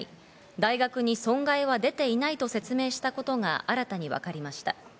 大学に損害は出ていないと説明したことが新たに分かりました。